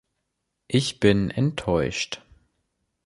Ich bin enttäuscht.